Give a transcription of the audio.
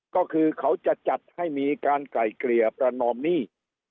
ก็คือเขาจะจัดให้มีการไก่เกลี่ยประนอมหนี้